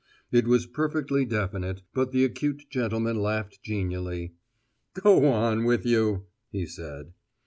It was perfectly definite; but the acute gentleman laughed genially. "Go on with you!" he said.